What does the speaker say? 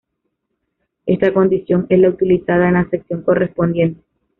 Esta condición es la utilizada en la sección correspondiente.